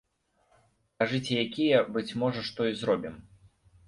Кажыце якія, быць можа, што і зробім.